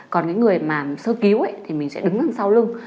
còn cái người mà sơ cứu thì mình sẽ đứng đằng sau lưng